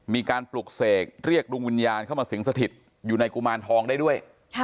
มีการปลุกเสกเรียกดวงวิญญาณเข้ามาสิงสถิตอยู่ในกุมารทองได้ด้วย